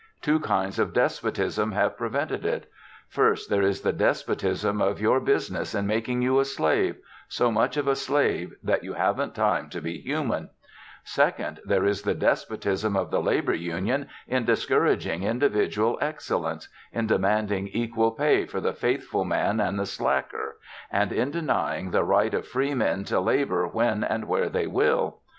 Two kinds of despotism have prevented it. First, there is the despotism of your business in making you a slave so much of a slave that you haven't time to be human; second, there is the despotism of the labor union in discouraging individual excellence, in demanding equal pay for the faithful man and the slacker, and in denying the right of free men to labor when and where they will.